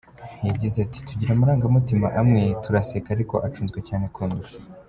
Yagize ati “Tugira amarangamutima amwe, turaseka ariko acunzwe cyane kundusha.